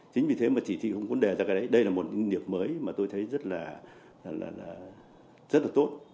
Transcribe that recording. chính vì thế mà chỉ thị bốn đề ra cái đấy đây là một nghiệp mới mà tôi thấy rất là tốt